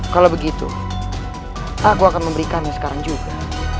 kalau begitu aku akan memberikannya sekarang juga